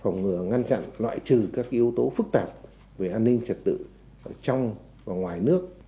phòng ngừa ngăn chặn loại trừ các yếu tố phức tạp về an ninh trật tự trong và ngoài nước